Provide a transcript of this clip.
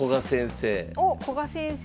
おっ古賀先生